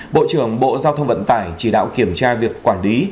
bộ trưởng bộ giao thông vận tải chỉ đạo kiểm tra việc quản lý